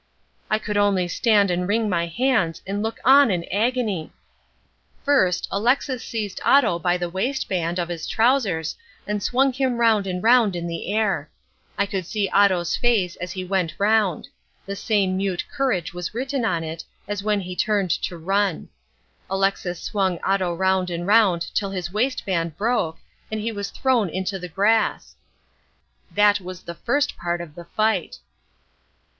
I could only stand and wring my hands and look on in agony! First, Alexis seized Otto by the waistband of his trousers and swung him round and round in the air. I could see Otto's face as he went round: the same mute courage was written on it as when he turned to run. Alexis swung Otto round and round until his waistband broke, and he was thrown into the grass. That was the first part of the fight.